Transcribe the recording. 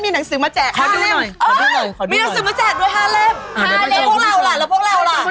มีหนังสือมาแจกด้วย๕เล่ม